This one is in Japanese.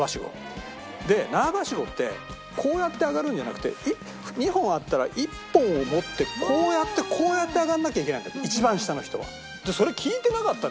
で縄ばしごってこうやって上がるんじゃなくて２本あったら１本を持ってこうやってこうやって上がらなきゃいけないんだよ一番下の人は。